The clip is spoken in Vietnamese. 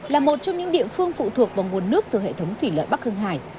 là một trong những địa phương phụ thuộc vào nguồn nước từ hệ thống thủy loại bắc hưng hải